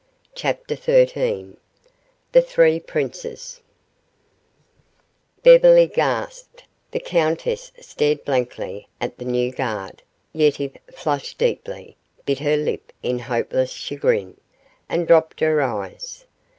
CHAPTER XIII THE THREE PRINCES Beverly gasped. The countess stared blankly at the new guard. Yetive flushed deeply, bit her lip in hopeless chagrin, and dropped her eyes.